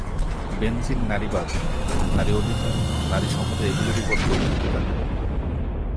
বেনজির নারীবাদ, নারী-অধিকার, নারী-সমতা এগুলোর ওপর জোর দিতে থাকেন।